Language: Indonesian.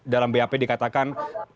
dalam bap dikatakan